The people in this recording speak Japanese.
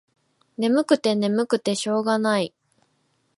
ねむくてねむくてしょうがない。